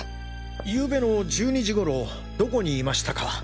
ゆうべの１２時頃どこにいましたか？